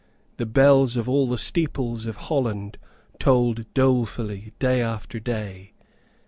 The bells of all the steeples of Holland tolled dolefully day after day.